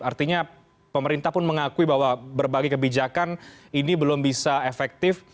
artinya pemerintah pun mengakui bahwa berbagai kebijakan ini belum bisa efektif